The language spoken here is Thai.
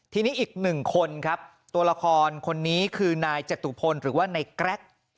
ทีนี้อีกหนึ่งคนครับตัวละครคนนี้คือนายจตุพลหรือว่าในแกรก